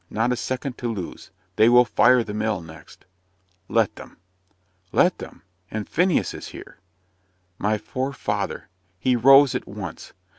Not a second to lose they will fire the mill next." "Let them." "Let them? and Phineas is here!" My poor father! He rose at once.